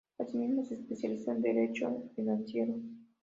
Asimismo, se especializó en Derecho financiero.